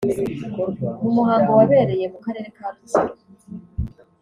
mu muhango wabereye mu karere ka Rutsiro